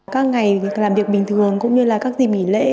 các ngày làm việc bình thường cũng như là các dịp nghỉ lễ